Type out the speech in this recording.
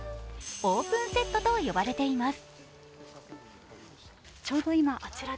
オープンセットと呼ばれています。